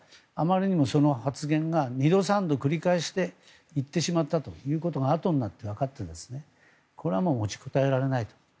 あまりにその発言が二度、三度繰り返して言ってしまったことがあとでわかってこれは持ちこたえられないと。